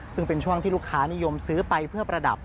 ซึ่งเป็นช่วงที่ลูกค้านิยมซื้อไปเพื่อประดับ